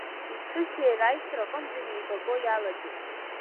Иԥҳәыси иареи аисра аҟныӡа инеибаго иалагеит.